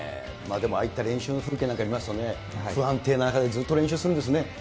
でもああいった練習の風景なんか見ますとね、不安定な中でずっと練習するんですね。